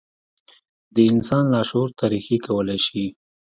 د انسان لاشعور ته رېښې کولای شي.